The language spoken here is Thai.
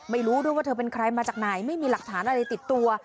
ไม่รู้ด้วยว่าเธอเป็นใครมาจากไหนไม่มีหลักฐานอะไรติดตัว